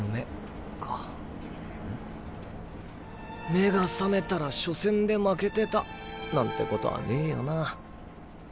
目が覚めたら初戦で負けてたなんてことはねぇよな？